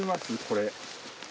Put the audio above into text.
これ。